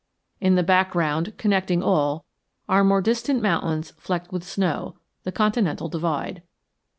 In the background, connecting all, are more distant mountains flecked with snow, the continental divide.